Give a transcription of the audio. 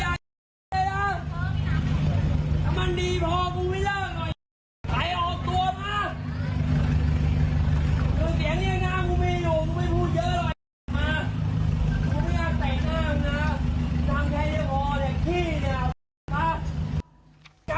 แม่ขี้หมาเนี่ยเธอดีเนี่ย